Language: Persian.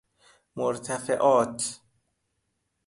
مرتفعات